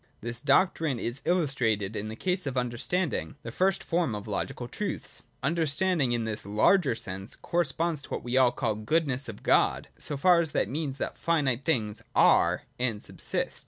This doctrine is illustrated in the case of under standing, the first form of logical truths. Understanding in this larger sense corresponds to what we call the goodness of God, so far as that means that finite things are and sub sist.